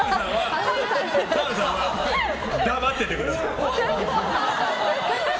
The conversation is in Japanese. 澤部さんは黙っててください。